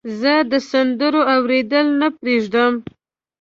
زه د سندرو اوریدل نه پرېږدم.